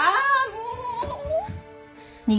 もう！